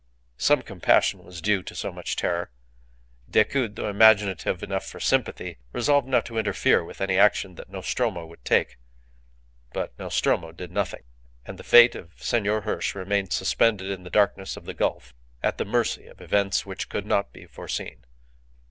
Some compassion was due to so much terror. Decoud, though imaginative enough for sympathy, resolved not to interfere with any action that Nostromo would take. But Nostromo did nothing. And the fate of Senor Hirsch remained suspended in the darkness of the gulf at the mercy of events which could not be foreseen.